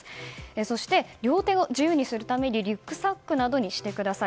そして、両手を自由にするためリュックサックなどにしてください。